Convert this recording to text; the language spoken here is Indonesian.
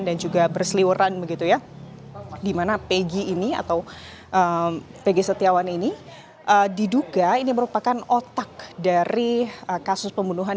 dan juga berseliweran begitu ya di mana pegi ini atau pegi setiawan ini diduga ini merupakan otak dari kasus pembunuhan